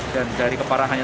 dan dari keparahannya